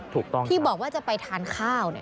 ถูกต้องครับที่บอกว่าจะไปทานข้าว